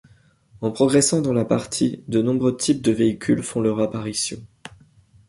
En progressant dans la partie, de nouveaux types de véhicules font leur apparition.